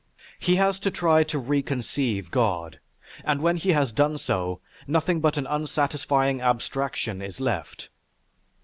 He has to try to reconceive God, and when he has done so, nothing but an unsatisfying abstraction is left.